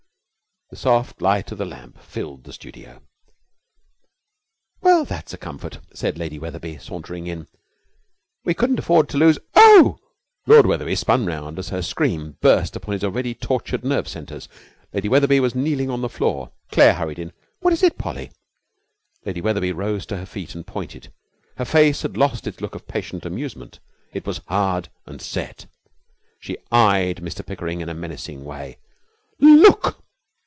The soft light of the lamp filled the studio. 'Well, that's a comfort,' said Lady Wetherby, sauntering in. 'We couldn't afford to lose Oh!' Lord Wetherby spun round as her scream burst upon his already tortured nerve centres. Lady Wetherby was kneeling on the floor. Claire hurried in. 'What is it, Polly?' Lady Wetherby rose to her feet, and pointed. Her face had lost its look of patient amusement. It was hard and set. She eyed Mr Pickering in a menacing way. 'Look!'